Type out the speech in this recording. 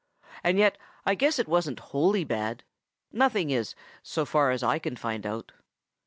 And yet I guess it wasn't wholly bad. Nothing is, so far as I can find out.